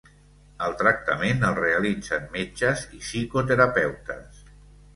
El tractament el realitzen metges i psicoterapeutes.